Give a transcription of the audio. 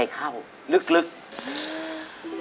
เรียกประกันแล้วยังคะ